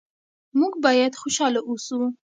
موږ باید خوشحاله اوسو.